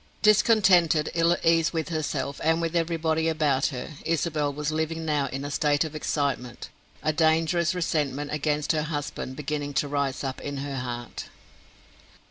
Discontented, ill at ease with herself and with everybody about her, Isabel was living now in a state of excitement, a dangerous resentment against her husband beginning to rise up in her heart.